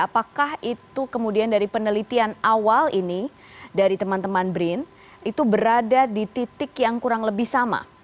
apakah itu kemudian dari penelitian awal ini dari teman teman brin itu berada di titik yang kurang lebih sama